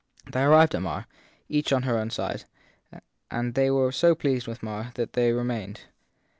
They arrived at Marr, each on her own side, and they were so 244 THE THIRD PERSON pleased with Marr that they remained.